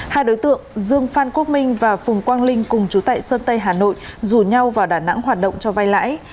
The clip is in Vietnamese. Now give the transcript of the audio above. hai đối tượng dương phan quốc minh và phùng quang linh cùng chú tại sơn tây hà nội rủ nhau vào đà nẵng hoạt động cho vai lãi